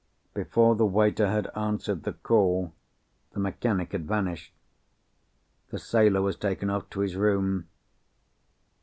Before the waiter had answered the call, the mechanic had vanished. The sailor was taken off to his room.